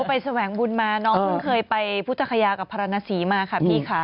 ไปแสวงบุญมาน้องเคยไปพุทธภัยากับพระนาศีมาค่ะพี่คะ